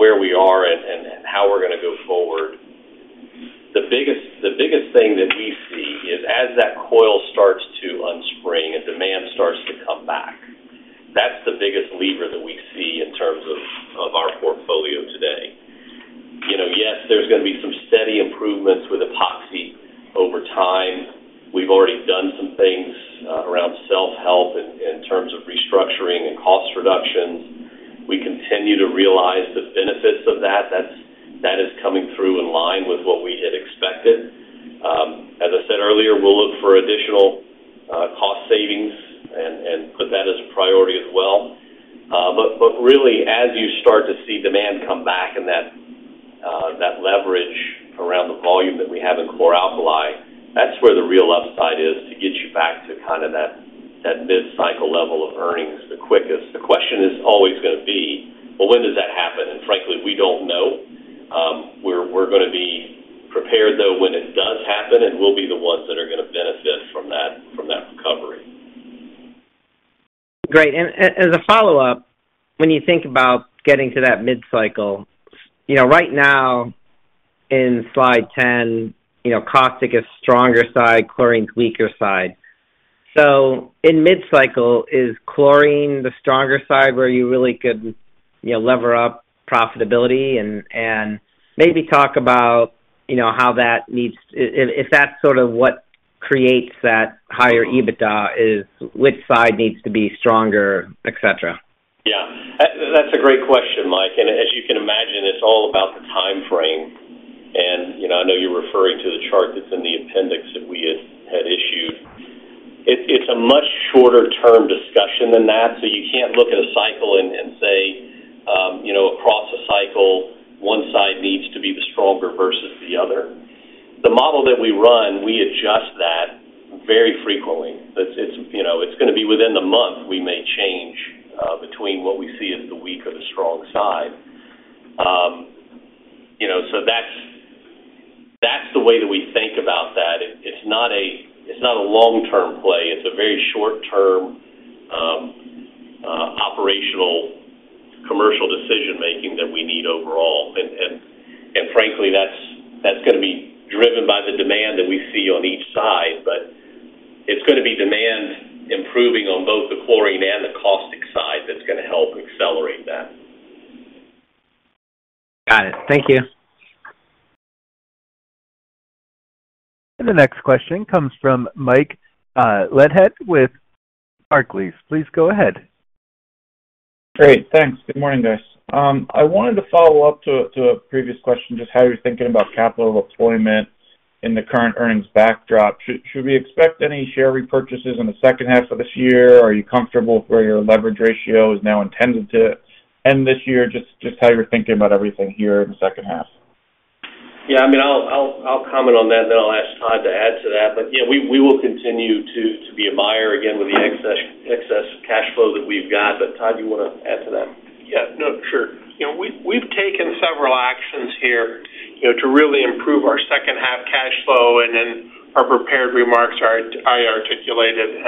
where we are and how we're gonna go forward, the biggest thing that we see is as that coil starts to unspring and demand starts to come back, that's the biggest lever that we see in terms of our portfolio today. You know, yes, there's gonna be some steady improvements with Epoxy over time. We've already done some things around self-help in terms of restructuring and cost reductions. We continue to realize the benefits of that. That's, that is coming through in line with what we had expected. As I said earlier, we'll look for additional, cost savings and, and put that as a priority as well. But, but really, as you start to see demand come back and that, that leverage around the volume that we have in chloralkali, that's where the real upside is to get you back to kind of that, that mid-cycle level of earnings the quickest. The question is always gonna be: Well, when does that happen? And frankly, we don't know. We're, we're gonna be prepared, though, when it does happen, and we'll be the ones that are gonna benefit from that, from that recovery.
Great. And as a follow-up, when you think about getting to that mid-cycle, you know, right now, in Slide 10, you know, caustic is stronger side, chlorine, weaker side.... So in mid-cycle, is chlorine the stronger side where you really could, you know, lever up profitability? And maybe talk about, you know, how that needs—if that's sort of what creates that higher EBITDA, is which side needs to be stronger, et cetera?
Yeah. That's a great question, Mike. And as you can imagine, it's all about the timeframe. And, you know, I know you're referring to the chart that's in the appendix that we had issued. It's a much shorter term discussion than that. So you can't look at a cycle and say, you know, across a cycle, one side needs to be the stronger versus the other. The model that we run, we adjust that very frequently. But it's, you know, it's gonna be within the month, we may change between what we see as the weak or the strong side. You know, so that's the way that we think about that. It's not a long-term play. It's a very short-term operational commercial decision-making that we need overall. And frankly, that's gonna be driven by the demand that we see on each side, but it's gonna be demand improving on both the chlorine and the caustic side that's gonna help accelerate that.
Got it. Thank you.
The next question comes from Michael Leithead with Barclays. Please go ahead.
Great. Thanks. Good morning, guys. I wanted to follow up to a previous question, just how you're thinking about capital deployment in the current earnings backdrop. Should we expect any share repurchases in the second half of this year? Are you comfortable where your leverage ratio is now intended to end this year? Just how you're thinking about everything here in the second half.
Yeah, I mean, I'll comment on that, then I'll ask Todd to add to that. But, yeah, we will continue to be a buyer again with the excess cash flow that we've got. But Todd, you wanna add to that?
Yeah. No, sure. You know, we've, we've taken several actions here, you know, to really improve our second half cash flow, and then our prepared remarks are, I articulated.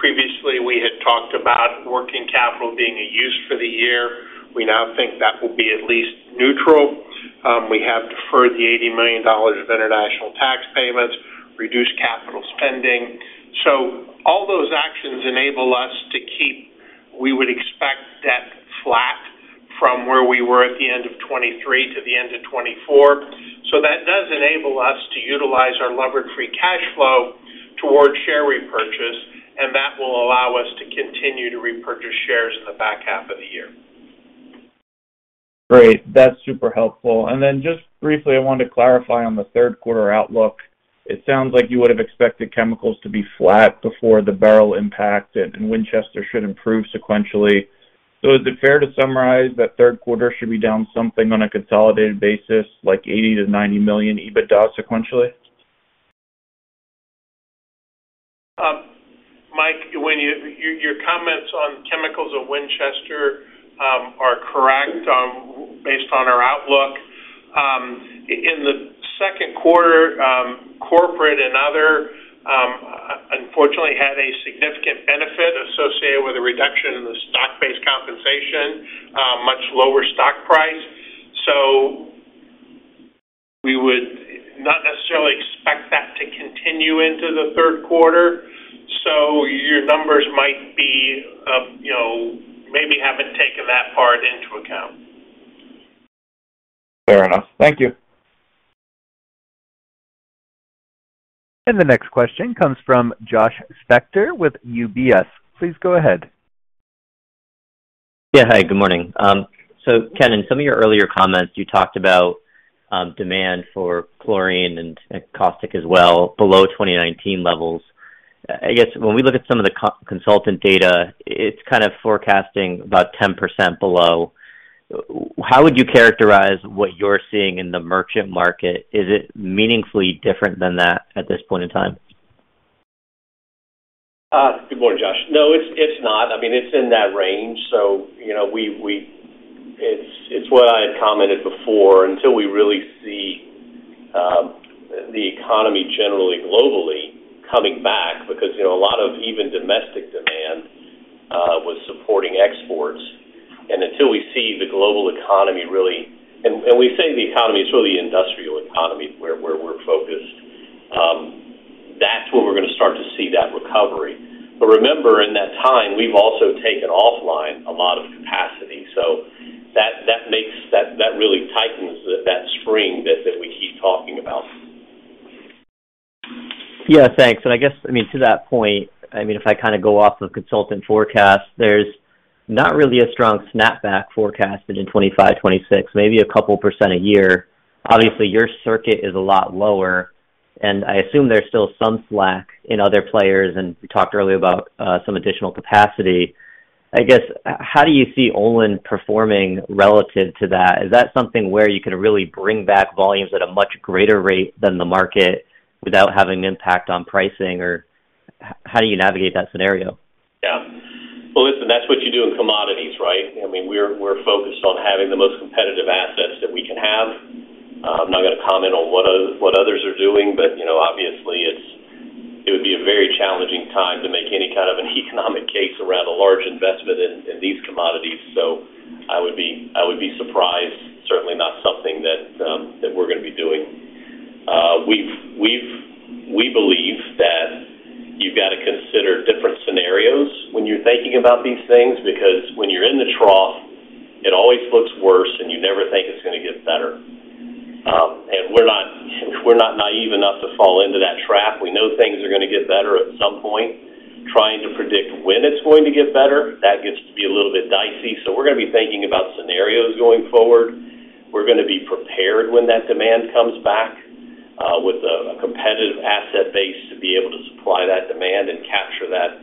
Previously, we had talked about working capital being a use for the year. We now think that will be at least neutral. We have deferred the $80 million of international tax payments, reduced capital spending. So all those actions enable us to keep, we would expect, debt flat from where we were at the end of 2023 to the end of 2024. So that does enable us to utilize our levered free cash flow towards share repurchase, and that will allow us to continue to repurchase shares in the back half of the year.
Great, that's super helpful. And then just briefly, I wanted to clarify on the Q3 outlook. It sounds like you would have expected chemicals to be flat before the Beryl impact, and Winchester should improve sequentially. So is it fair to summarize that Q3 should be down something on a consolidated basis, like $80 million-$90 million EBITDA sequentially?
Mike, when your comments on chemicals and Winchester are correct, based on our outlook. In the Q2, corporate and other, unfortunately, had a significant benefit associated with a reduction in the stock-based compensation, much lower stock price. So we would not necessarily expect that to continue into the Q3. So your numbers might be, you know, maybe haven't taken that part into account.
Fair enough. Thank you.
The next question comes from Josh Spector with UBS. Please go ahead.
Yeah, hi, good morning. So, Ken, in some of your earlier comments, you talked about demand for chlorine and caustic as well, below 2019 levels. I guess when we look at some of the consultant data, it's kind of forecasting about 10% below. How would you characterize what you're seeing in the merchant market? Is it meaningfully different than that at this point in time?
Good morning, Josh. No, it's not. I mean, it's in that range. So, you know, it's what I had commented before, until we really see the economy generally, globally coming back, because, you know, a lot of even domestic demand was supporting exports. And until we see the global economy, really... And we say the economy, it's really the industrial economy where we're focused, that's where we're gonna start to see that recovery. But remember, in that time, we've also taken offline a lot of capacity. So that makes - that really tightens that spring that we keep talking about.
Yeah, thanks. I guess, I mean, to that point, I mean, if I kind of go off of consultant forecasts, there's not really a strong snapback forecast in 2025, 2026, maybe a couple % a year. Obviously, your circuit is a lot lower, and I assume there's still some slack in other players, and you talked earlier about some additional capacity. I guess, how do you see Olin performing relative to that? Is that something where you can really bring back volumes at a much greater rate than the market without having an impact on pricing, or how do you navigate that scenario?
Yeah. Well, listen, that's what you do in commodities, right? I mean, we're focused on having the most competitive assets that we can have. I'm not gonna comment on what other, what others are doing, but, you know, obviously, it would be a very challenging time to make any kind of an economic case around a large investment in these commodities. So I would be surprised. Certainly not something that we're gonna be doing. We've-- we believe that you've got to consider different scenarios when you're thinking about these things, because when you're in the trough, it always looks worse, and you never think it's gonna get better. And we're not naive enough to fall into that trap. We know things are gonna get better at some point. Trying to predict when it's going to get better, that gets to be a little bit dicey. So we're gonna be thinking about scenarios going forward. We're gonna be prepared when that demand comes back with a competitive asset base to be able to supply that demand and capture that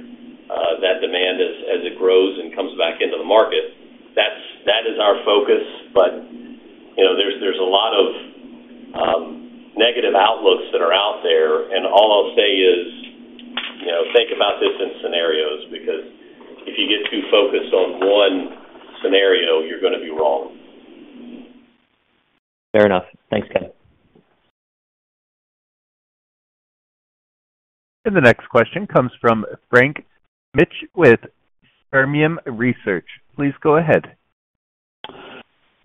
demand as it grows and comes back into the market. That is our focus. But you know, there's a lot of negative outlooks that are out there, and all I'll say is, you know, think about this in scenarios, because if you get too focused on one scenario, you're gonna be wrong.
Fair enough. Thanks, Ken.
The next question comes from Frank Mitsch with Fermium Research. Please go ahead.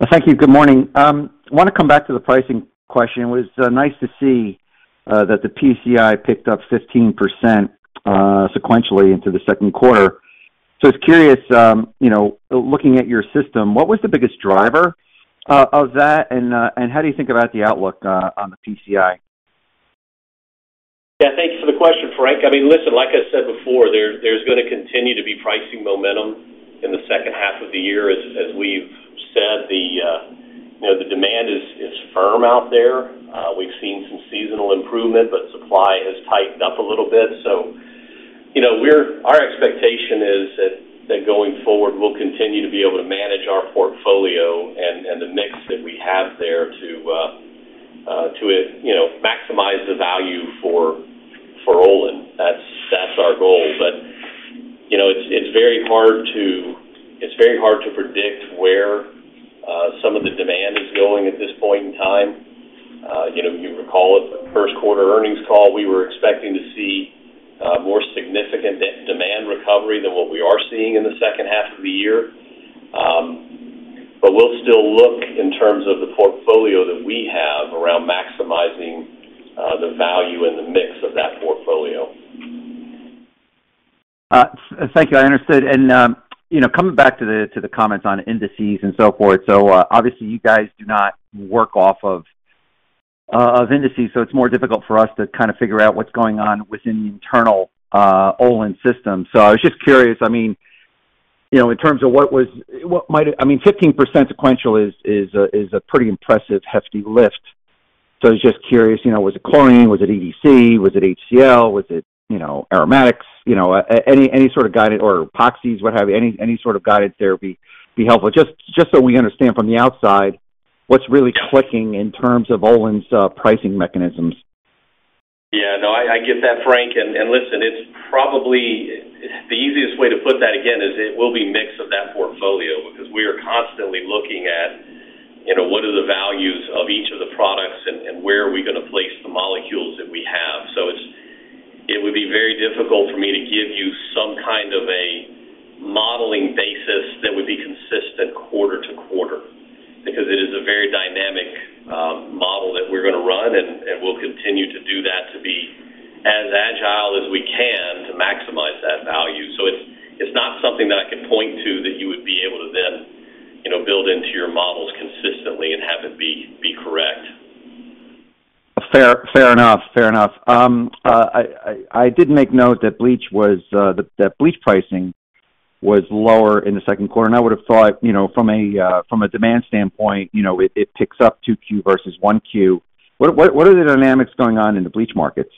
Thank you. Good morning. I wanna come back to the pricing question. It was nice to see that the PCI picked up 15% sequentially into the Q2. I was curious, you know, looking at your system, what was the biggest driver of that? And how do you think about the outlook on the PCI?
Yeah, thanks for the question, Frank. I mean, listen, like I said before, there's gonna continue to be pricing momentum in the second half of the year. As we've said, you know, the demand is firm out there. We've seen some seasonal improvement, but supply has tightened up a little bit. So, you know, our expectation is that going forward, we'll continue to be able to manage our portfolio and the mix that we have there to, you know, maximize the value for Olin. That's our goal. But, you know, it's very hard to predict where some of the demand is going at this point in time. You know, you recall at the Q1 earnings call, we were expecting to see more significant demand recovery than what we are seeing in the second half of the year. But we'll still look in terms of the portfolio that we have around maximizing the value and the mix of that portfolio.
Thank you. I understood. And, you know, coming back to the, to the comments on indices and so forth, so, obviously you guys do not work off of, of indices, so it's more difficult for us to kind of figure out what's going on within the internal, Olin system. So I was just curious, I mean, you know, in terms of what was... What might, I mean, 15% sequential is, is a, is a pretty impressive, hefty lift. So I was just curious, you know, was it chlorine? Was it EDC? Was it HCL? Was it, you know, aromatics? You know, any, any sort of guidance or epoxies, what have you, any, any sort of guidance there would be helpful. Just, just so we understand from the outside, what's really clicking in terms of Olin's pricing mechanisms?
Yeah, no, I get that, Frank, and listen, it's probably... The easiest way to put that again is it will be mix of that portfolio, because we are constantly looking at, you know, what are the values of each of the products and where are we gonna place the molecules that we have. So it's, it would be very difficult for me to give you some kind of a modeling basis that would be consistent quarter to quarter, because it is a very dynamic model that we're gonna run, and we'll continue to do that to be as agile as we can to maximize that value. So it's, it's not something that I can point to that you would be able to then, you know, build into your models consistently and have it be correct.
Fair, fair enough. Fair enough. I did make note that bleach pricing was lower in the Q2, and I would have thought, you know, from a demand standpoint, you know, it ticks up 2Q versus 1Q. What are the dynamics going on in the bleach markets?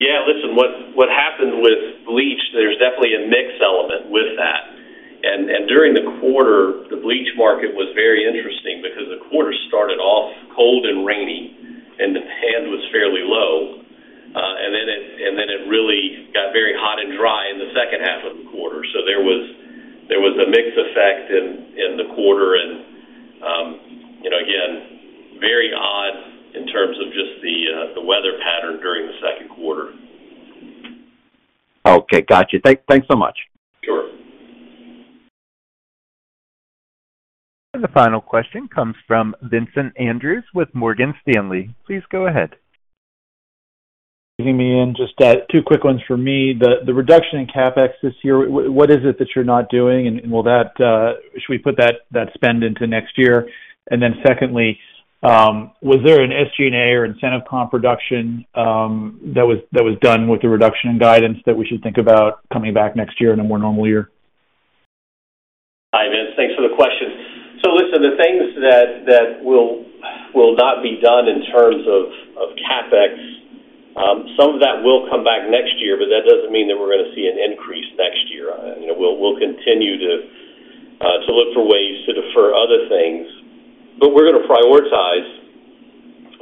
Yeah, listen, what happened with bleach? There's definitely a mix element with that. And during the quarter, the bleach market was very interesting because the quarter started off cold and rainy, and demand was fairly low, and then it really got very hot and dry in the second half of the quarter. So there was a mix effect in the quarter. And, you know, again, very odd in terms of just the weather pattern during the Q2.
Okay, gotcha. Thanks so much.
Sure.
The final question comes from Vincent Andrews with Morgan Stanley. Please go ahead....
Bringing me in, just two quick ones for me. The reduction in CapEx this year, what is it that you're not doing? And will that... Should we put that spend into next year? And then secondly, was there an SG&A or incentive comp reduction that was done with the reduction in guidance that we should think about coming back next year in a more normal year?
Hi, Vince. Thanks for the question. So listen, the things that will not be done in terms of CapEx, some of that will come back next year, but that doesn't mean that we're gonna see an increase next year. You know, we'll continue to look for ways to defer other things, but we're gonna prioritize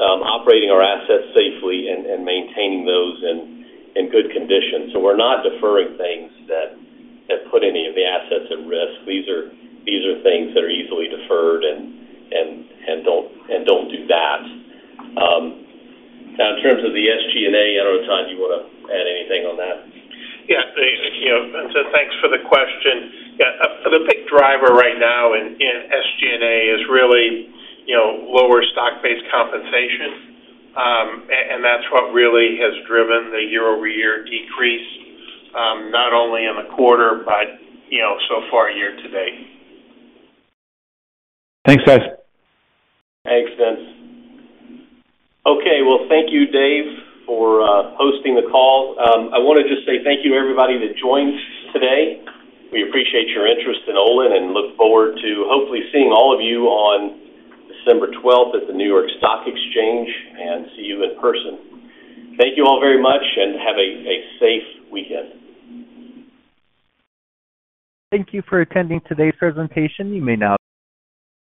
operating our assets safely and maintaining those in good condition. So we're not deferring things that put any of the assets at risk. These are things that are easily deferred and don't do that. Now, in terms of the SG&A, I don't know, Todd, do you wanna add anything on that?
Yeah, you know, and so thanks for the question. Yeah, the big driver right now in SG&A is really, you know, lower stock-based compensation. And that's what really has driven the year-over-year decrease, not only in the quarter, but, you know, so far, year to date.
Thanks, guys.
Thanks, Vince. Okay. Well, thank you, Dave, for hosting the call. I wanna just say thank you, everybody, that joined today. We appreciate your interest in Olin and look forward to hopefully seeing all of you on December twelfth at the New York Stock Exchange, and see you in person. Thank you all very much, and have a safe weekend.
Thank you for attending today's presentation. You may now disconnect.